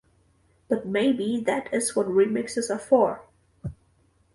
But maybe that is what remixes are for.